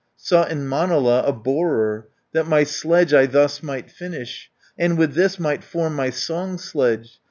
Sought in Manala a borer, That my sledge I thus might finish. And with this might form my song sledge.